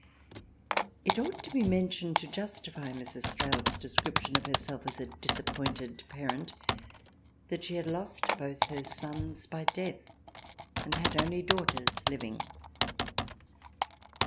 It ought to be mentioned to justify Mrs. Thrale*s THRALIANA n description of herself as a disappointed parent, that she had lost both her sons by death, and had only daughters living.